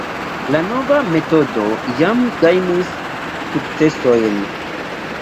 La nova metodo jam gajnis sukcesojn.